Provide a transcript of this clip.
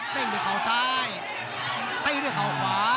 ด้วยเขาซ้ายตีด้วยเขาขวา